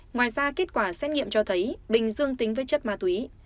ngoài ra kết quả xét nghiệm cho thấy bình dương tính với chất ma túy